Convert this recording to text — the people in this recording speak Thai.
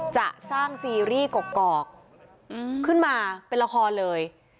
จะสร้างซีรีส์กอกขึ้นมาเป็นละครเลย